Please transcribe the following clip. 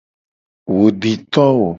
Wo di to wo.